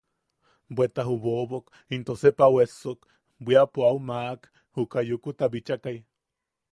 Bweta ju bobok into sep au essok, bwiapo au maʼak, juka Yukuta bichakai.